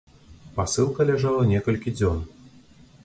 Пасылка ляжала некалькі дзён.